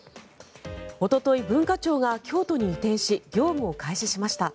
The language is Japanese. おととい、文化庁が京都に移転し業務を開始しました。